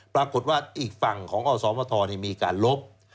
ปรากฏว่าอีกฝั่งของอสมทรมีการลบ